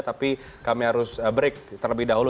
tapi kami harus break terlebih dahulu